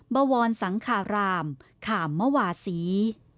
บวรสังคารามขามมวาศี